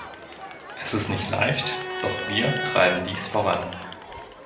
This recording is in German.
Es ist nicht leicht, doch wir treiben dies voran.